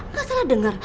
gak salah dengar